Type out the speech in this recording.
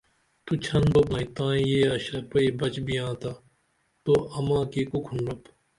تو چھن بوپنائی تائی یے اشرپئی بچ بیاں تا تو اماں کی کو کھنڈوپ